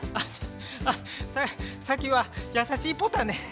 あっサキはやさしいポタね。